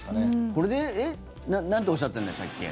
これで、なんとおっしゃったんでしたっけ？